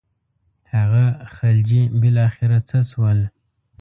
هغه خلجي بالاخره څه شول.